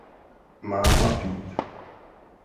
Máma feat.